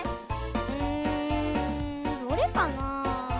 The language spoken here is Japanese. うん。どれかなあ。